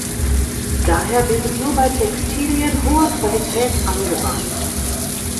Daher wird es nur bei Textilien hoher Qualität angewandt.